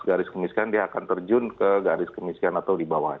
garis kemiskinan dia akan terjun ke garis kemiskinan atau di bawah